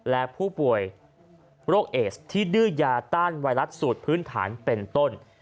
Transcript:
และผู้ป่วยโรคเอสที่ดื้อยาต้านไวรัสสูตรพื้นฐานเป็นต้น